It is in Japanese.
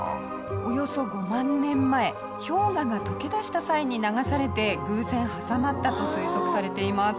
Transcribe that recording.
およそ５万年前氷河が溶け出した際に流されて偶然挟まったと推測されています。